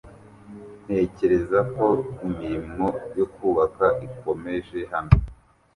Ntekereza ko imirimo yo kubaka ikomeje hano